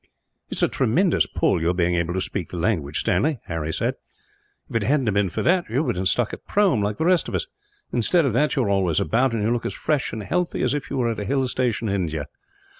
"It is a tremendous pull, your being able to speak the language, Stanley," Harry said. "If it hadn't been for that, you would have been stuck at Prome, like the rest of us. Instead of that, you are always about; and you look as fresh and healthy as if you were at a hill station, in India."